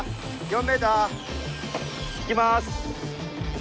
引きます。